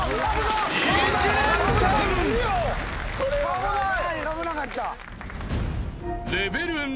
危ない！